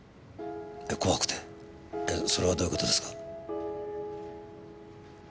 それはどういう事ですか？